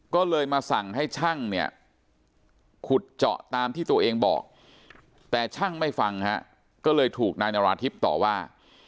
ก็เลยมาสั่งให้ช่างเนี่ยขุดเจาะตามที่ตัวเองบอกแต่ช่างไม่ฟังฮะก็เลยถูกนายนาราธิบต่อว่า